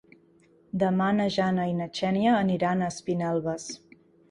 Demà na Jana i na Xènia aniran a Espinelves.